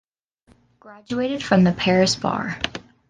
Graduated from the Paris Bar.